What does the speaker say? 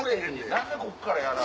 何でこっからやらな。